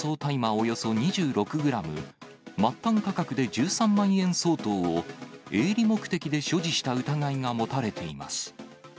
およそ２６グラム、末端価格で１３万円相当を、営利目的で所持した疑いが持たれています。